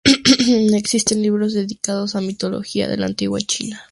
No existen libros dedicados a Mitología en la antigua China.